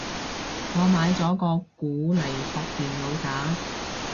我買咗個鼓嚟駁電腦打